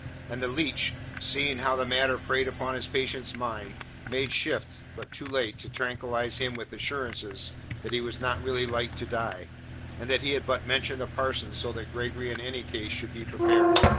And the leech, seeing how the matter preyed upon his patient's mind, made shift but too late to tranquillize him with assurances that he was not really like to die, and that he had but mentioned a parson so that Gregory in any case should be prepared.